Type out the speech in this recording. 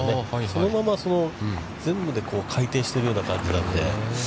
そのまま全部で回転してるような感じなので。